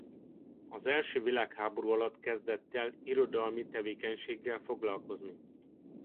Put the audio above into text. Az első világháború alatt kezdett el irodalmi tevékenységgel foglalkozni.